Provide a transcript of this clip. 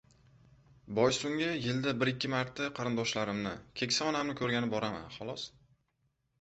Boysunga yilda bir-ikki marta qarindoshlarimni, keksa onamni ko‘rgani boraman, xolos.